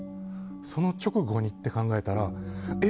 その直後にって考えたらえ？